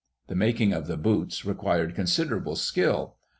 The making of the boots required considerable skill.